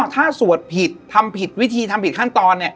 ถ้าสวดผิดทำผิดวิธีทำผิดขั้นตอน